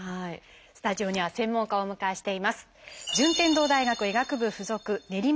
スタジオには専門家をお迎えしています。